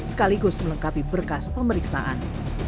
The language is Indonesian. sekaligus melengkapi berkas pemeriksaan